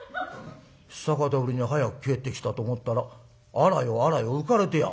久方ぶりに早く帰ってきたと思ったら『あらよあらよ』浮かれてやがんだな。